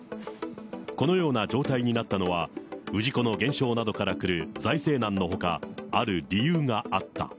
このような状態になったのは氏子の減少などからくる財政難のほか、ある理由があった。